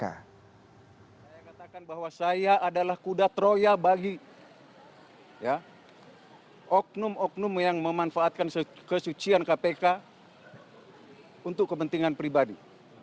saya katakan bahwa saya adalah kuda troya bagi oknum oknum yang memanfaatkan kesucian kpk untuk kepentingan pribadi